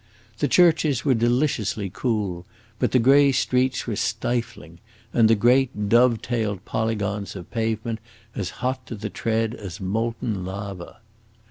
The churches were deliciously cool, but the gray streets were stifling, and the great, dove tailed polygons of pavement as hot to the tread as molten lava.